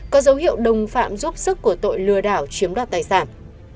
có dấu hiệu đồng phạm giúp sức của tội lừa đảo chiếm đoạt tài sản